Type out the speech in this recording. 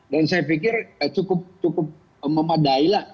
dan saya pikir cukup memadailah